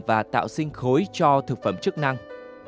và tạo sinh khối cho thực phẩm chức năng